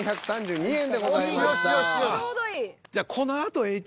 わあちょうどいい。